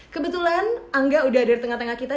kebetulan angga udah ada di tengah tengah kita